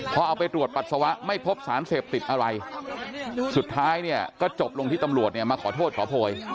พอเอาไปตรวจปัสสาวะไม่พบสารเสพติดอะไรสุดท้ายเนี่ยก็จบลงที่ตำรวจเนี่ยมาขอโทษขอโพย